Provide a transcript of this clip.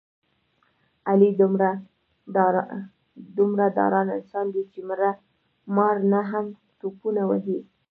علي دومره ډارن انسان دی، چې مړه مار نه هم ټوپونه وهي.